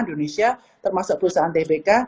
indonesia termasuk perusahaan tbk